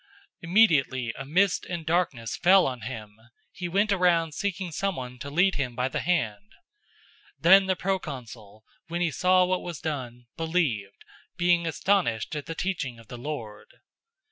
Immediately a mist and darkness fell on him. He went around seeking someone to lead him by the hand. 013:012 Then the proconsul, when he saw what was done, believed, being astonished at the teaching of the Lord.